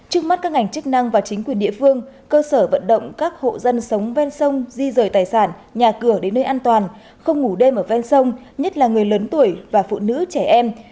trước mắt các ngành chức năng và chính quyền địa phương cơ sở vận động các hộ dân sống ven sông di rời tài sản nhà cửa đến nơi an toàn không ngủ đêm ở ven sông nhất là người lớn tuổi và phụ nữ trẻ em